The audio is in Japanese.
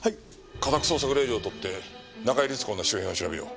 家宅捜索令状を取って中井律子の周辺を調べよう。